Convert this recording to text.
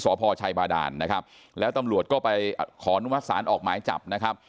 สพชัยบาดานนะครับแล้วตำรวจก็ไปขอนุมัติศาลออกหมายจับนะครับ